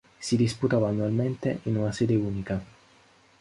Si disputava annualmente in una sede unica.